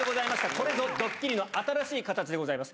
これぞドッキリの新しい形でございます。